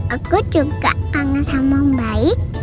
aku juga kangen sama baik